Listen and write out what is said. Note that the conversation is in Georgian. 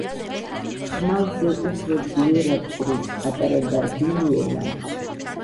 ხმალზე უფრო ძლიერად ჭრის პატარა და რბილი ენა